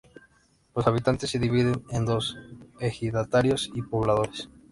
Los habitantes se dividen en dos: ejidatarios y pobladores.